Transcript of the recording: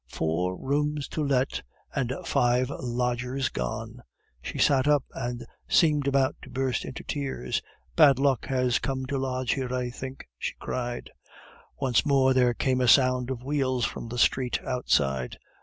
Four rooms to let! and five lodgers gone!..." She sat up, and seemed about to burst into tears. "Bad luck has come to lodge here, I think," she cried. Once more there came a sound of wheels from the street outside.